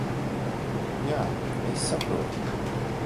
Jā, es saprotu.